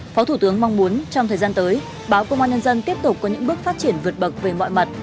phó thủ tướng mong muốn trong thời gian tới báo công an nhân dân tiếp tục có những bước phát triển vượt bậc về mọi mặt